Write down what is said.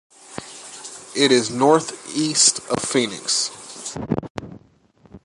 It is northeast of Phoenix.